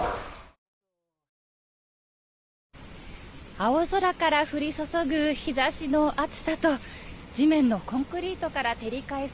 青空から降り注ぐ日差しの暑さと地面のコンクリートから照り返す